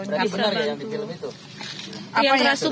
tapi benar ya yang di film itu